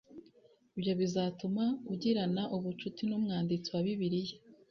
Ibyo bizatuma ugirana ubucuti n umwanditsi wa Bibiliya